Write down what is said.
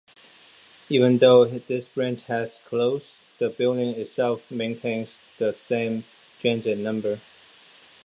Even though this branch has closed, the building itself maintains the same transit number.